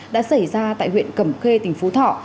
đã xảy ra tại huyện cẩm khê tỉnh phú thọ